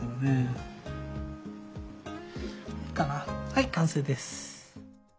はい完成です！